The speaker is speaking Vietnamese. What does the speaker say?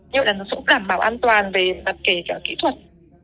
như vậy là nó cũng đảm bảo an toàn về mặt kể cả kỹ thuật